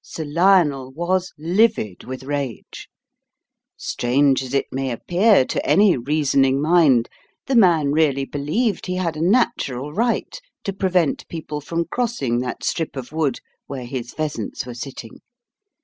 Sir Lionel was livid with rage. Strange as it may appear to any reasoning mind, the man really believed he had a natural right to prevent people from crossing that strip of wood where his pheasants were sitting.